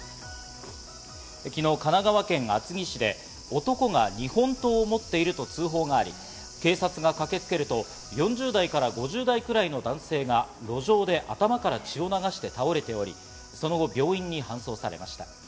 昨日、神奈川県厚木市で男が日本刀を持っていると通報があり、警察が駆けつけると、４０代から５０代くらいの男性が路上で頭から血を流して倒れており、その後、病院に搬送されました。